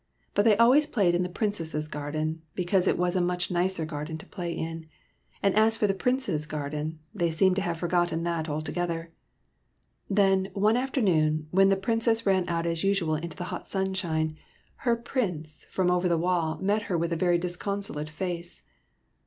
But they always played in the Princess's garden, because it was a much nicer garden to play in ; and as for the Prince s garden, they seemed to have forgotten that altogether. Then, one afternoon, when the Princess ran out as usual into the hot sunshine, her Prince from 6 82 SOMEBODY ELSE'S PRINCE over the wall met her with a very disconsolate face.